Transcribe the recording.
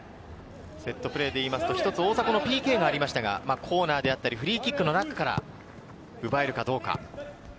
セットプレーでいいますと、大迫のＰＫがありましたが、コーナーであったりフリーキックの中から奪えるかどうか。